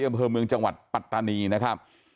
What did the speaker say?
อำเภอเมืองจังหวัดปัตตานีนะครับ